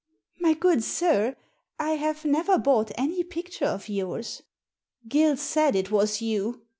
"My good sir, I have never bought any picture of yours." "Gill said it was you."